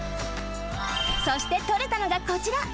そしてとれたのがこちら。